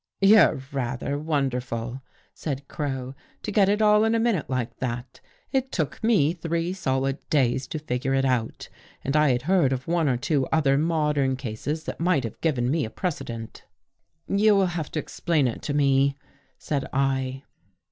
" You're rather wonderful," said Crow, " to get it all in a minute like that. It took me three solid days to figure it out, and I had heard of one or two other modern cases that might have given me a precedent." " You will have to explain it to me," said I.